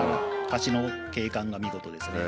橋の景観が見事ですね。